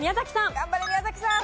頑張れ宮崎さん！